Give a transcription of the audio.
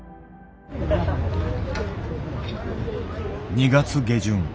２月下旬。